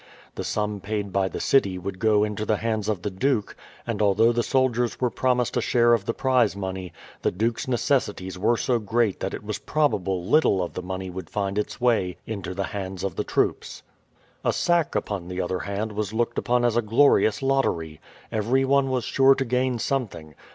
The sum paid by the city would go into the hands of the duke; and although the soldiers were promised a share of the prize money, the duke's necessities were so great that it was probable little of the money would find its way into the hands of the troops. A sack upon the other hand was looked upon as a glorious lottery. Every one was sure to gain something.